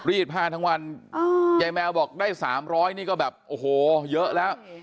รีดผ้าทั้งวันยายแมวบอกได้๓๐๐นี่ก็แบบโอ้โหเยอะแล้ว